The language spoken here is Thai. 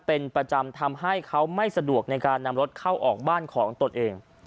เป็นประจำทำให้เขาไม่สะดวกในการนำรถเข้าออกบ้านของตนเอง